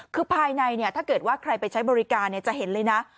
คือภายในถ้าเกิดว่าใครไปใช้บริการจะเห็นเลยนะ